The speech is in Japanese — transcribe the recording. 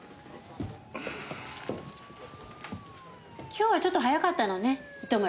今日はちょっと早かったのね糸村君。